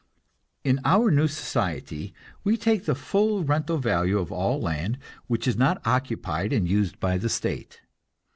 In our new society we take the full rental value of all land which is not occupied and used by the state.